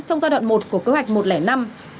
trong giai đoạn một của kế hoạch một trăm linh năm